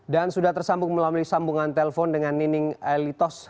dan sudah tersambung melalui sambungan telpon dengan nining elitos